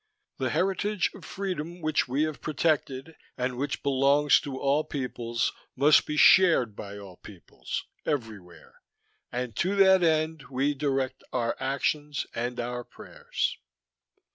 The heritage of freedom which We have protected, and which belongs to all peoples, must be shared by all peoples everywhere, and to that end we direct Our actions, and Our prayers.